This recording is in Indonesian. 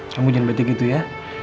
kamu jangan bete gitu ya